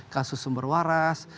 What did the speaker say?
kasus sumber waras